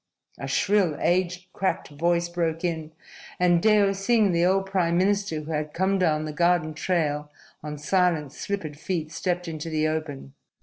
a shrill, age cracked voice broke in, and Deo Singh, the old prime minister who had come down the garden trail on silent, slippered feet, stepped into the open.